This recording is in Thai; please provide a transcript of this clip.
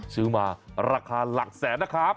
ซื้อมาราคาหลักแสนนะครับ